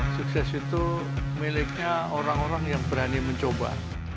sukses itu miliknya orang orang yang berani mencoba